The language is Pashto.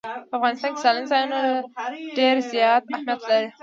په افغانستان کې سیلاني ځایونه ډېر زیات اهمیت لري.